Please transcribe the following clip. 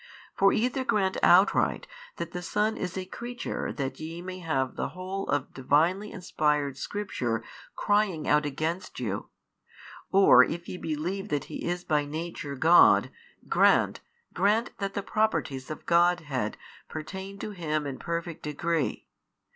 For either grant outright that the Son is a creature that ye may have the whole of Divinely inspired |609 Scripture crying out against you, or if ye believe that He is by Nature God, grant, grant that the Properties of Godhead pertain to Him in Perfect degree.